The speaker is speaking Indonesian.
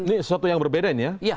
ini sesuatu yang berbeda ini ya